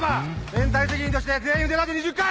連帯責任として全員腕立て２０回！